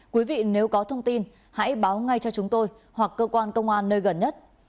quý vị nếu có thông tin hãy báo ngay cho chúng tôi hoặc cơ quan công an nơi gần nhất